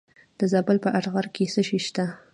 د زابل په اتغر کې څه شی شته؟